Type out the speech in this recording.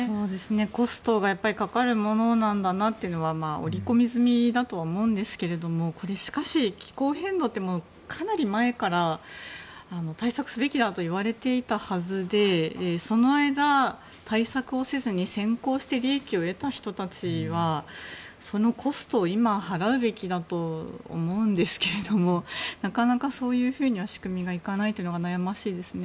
コストがかかるものなんだなというのは織り込み済みだとは思うんですけれどもしかし、気候変動ってかなり前から対策すべきだと言われていたはずでその間、対策をせずに先行して利益を得た人たちはそのコストを今払うべきだと思うんですけどなかなか、そういうふうには仕組みがいかないのが悩ましいですね。